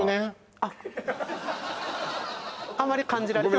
あっあんまり感じられてはいない？